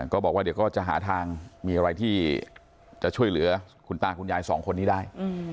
ก็บอกว่าเดี๋ยวก็จะหาทางมีอะไรที่จะช่วยเหลือคุณตาคุณยายสองคนนี้ได้